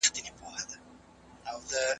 اسلامي شريعت د خلګو د عزت خيال ساتي.